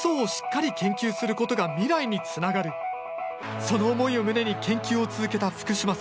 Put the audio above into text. その思いを胸に研究を続けた福島さん。